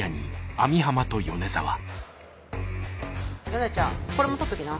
ヨネちゃんこれも撮っときな。